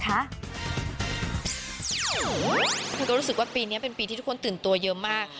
คือก็รู้สึกว่าปีนี้เป็นปีที่ทุกคนตื่นตัวเยอะมาก